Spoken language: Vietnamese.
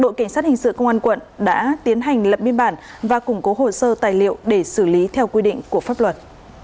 đội cảnh sát hình sự công an quận đã tiến hành lập biên bản và củng cố hồ sơ tài liệu để xử lý theo quy định của pháp luật